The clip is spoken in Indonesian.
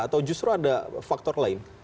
atau justru ada faktor lain